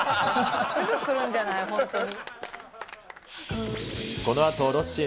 すぐ来るんじゃない、本当に。